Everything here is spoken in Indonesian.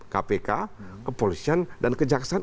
kpk kepolisian dan kejaksaan